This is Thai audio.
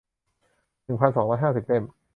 หนึ่งพันสองร้อยห้าสิบ เล่ม